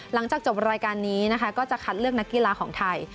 หลังจากจบรายการนี้นะคะก็จะคัดเลือกนักกีฬาของไทย